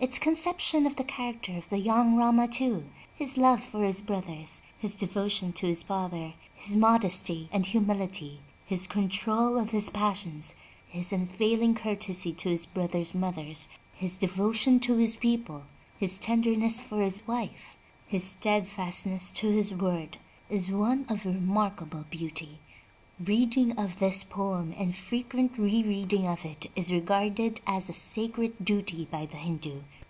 Its conception of the character of young Rama, too, — his love for his brothers, his devotion to his father, his modesty and humility, his control of his passions, his unfailing courtesy to his brothers' mothers, his devotion to his people, his tenderness for his wife, his stead fastness to his word, is one of remarkable beauty. Reading of this poem and frequent re reading of it is regarded as a sacred duty by the Hindu.